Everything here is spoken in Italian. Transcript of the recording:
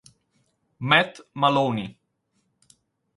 Matt Maloney